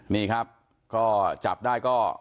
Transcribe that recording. นี่ครับก็จับได้ก็